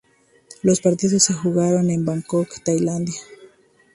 Los partidos se jugaron en Bangkok, Tailandia.